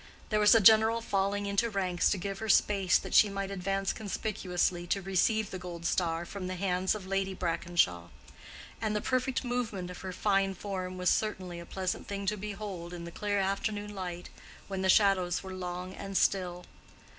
There was a general falling into ranks to give her space that she might advance conspicuously to receive the gold star from the hands of Lady Brackenshaw; and the perfect movement of her fine form was certainly a pleasant thing to behold in the clear afternoon light when the shadows were long and still.